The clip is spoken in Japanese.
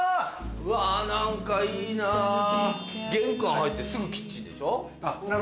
うわ何かいいな玄関入ってすぐキッチンでしょ？